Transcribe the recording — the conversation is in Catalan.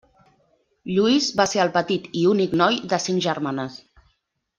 Lluís va ser el petit i únic noi de cinc germanes.